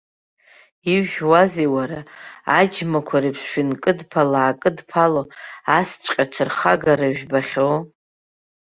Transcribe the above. Ижәуазеи, уара, аџьмақәа реиԥш шәынкыдԥала-аакыдԥало, асҵәҟьа ҽырхагара жәбахьоу!